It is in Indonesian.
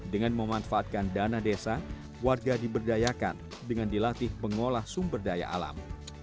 dengan memanfaatkan dana desa warga diberdayakan dengan dilatih mengolah sumber daya alam